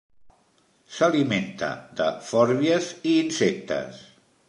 S'alimenta de fòrbies i insectes.